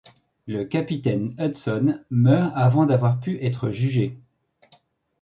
Le capitaine Hudson meurt avant d'avoir pu être jugé.